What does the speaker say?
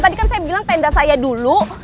tadi kan saya bilang tenda saya dulu